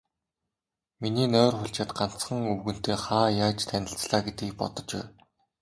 Миний нойр хулжаад, ганцхан, өвгөнтэй хаа яаж танилцлаа гэдгийг бодож байв.